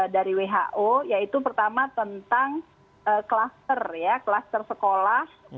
dari who yaitu pertama tentang klaster klaster sekolah